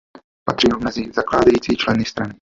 Patřil mezi zakládající členy strany.